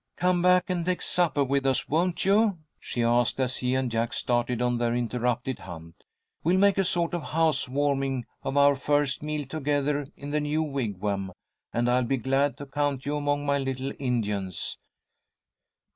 "Come back and take supper with us, won't you?" she asked, as he and Jack started on their interrupted hunt. "We'll make a sort of house warming of our first meal together in the new wigwam, and I'll be glad to count you among my little Indians."